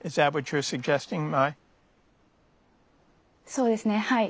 そうですねはい。